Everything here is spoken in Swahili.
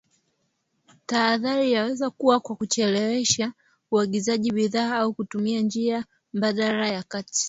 Tahadhari yaweza kuwa kwa kuchelewesha uagizaji bidhaa au kutumia njia mbadala ya kati